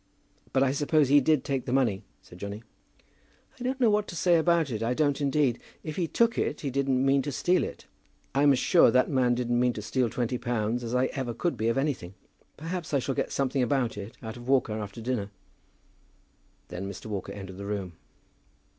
"But I suppose he did take the money?" said Johnny. "I don't know what to say about it. I don't indeed. If he took it he didn't mean to steal it. I'm as sure that man didn't mean to steal twenty pounds as I ever could be of anything. Perhaps I shall get something about it out of Walker after dinner." Then Mr. Walker entered the room.